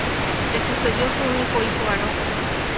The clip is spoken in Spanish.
Le sucedió su único hijo varón.